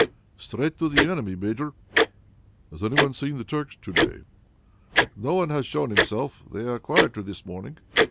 "Straight to the enemy, Major." "Has any one seen the Turks to day?" "Not one has shown himself. They are quieter this morning.